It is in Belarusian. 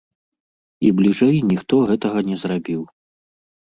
І бліжэй ніхто гэтага не зрабіў!